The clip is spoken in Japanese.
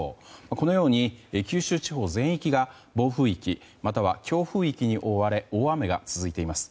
このように九州地方全域が暴風域または強風域に覆われ大雨が続いています。